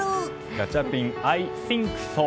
ガチャピンアイシンクソー。